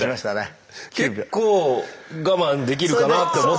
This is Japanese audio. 結構我慢できるかなって思ったんですけど。